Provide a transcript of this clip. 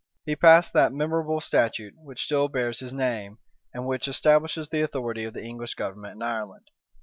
He passed that memorable statute, which still bears his name, and which establishes the authority of the English government in Ireland.